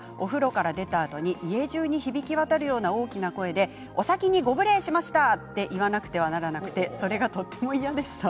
わが家ではお風呂から出たあとに家じゅうに響き渡るような大きな声でお先にご無礼しましたと言わなくてはならなくてそれがとても嫌でした